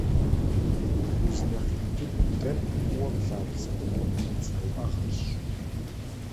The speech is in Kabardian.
Уз нэхъ ин дыдэр фӀыуэ плъагъу цӀыхум къыптридза уӀэгъэрщ.